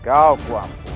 kau aku ampuni